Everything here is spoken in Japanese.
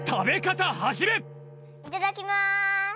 いただきます！